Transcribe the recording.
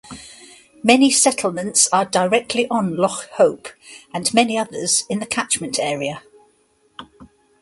Many settlements are directly on Loch Hope and many others in the catchment area.